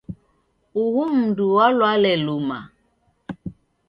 Uhu mndu walwale luma